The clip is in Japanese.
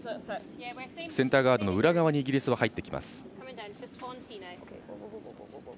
センターガードの裏側にイギリスは入ってきます。